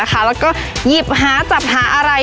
แล้วก็หยิบหาจับหาอะไร